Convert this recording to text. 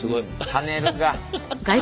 パネルが。